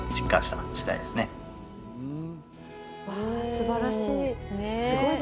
すばらしい。